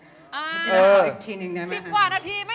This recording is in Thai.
๑๐กว่านาทีไม่มีความใหม่